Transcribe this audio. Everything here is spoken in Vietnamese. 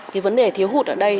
cái vấn đề thiếu hụt ở đây